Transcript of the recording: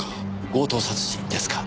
強盗殺人ですか。